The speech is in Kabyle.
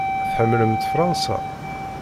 Tḥemmlemt Fṛansa?